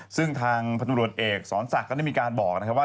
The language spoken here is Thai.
ซึ่งทางพนุรวจเอกสอนศักดิ์ก็ได้มีการบอกว่า